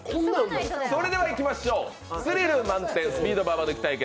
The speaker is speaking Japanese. それではいきましょう、スリル満点スピードババ抜き対決。